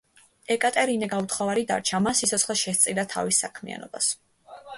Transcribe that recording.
ეკატერინე გაუთხოვარი დარჩა, მან სიცოცხლე შესწირა თავის საქმიანობა.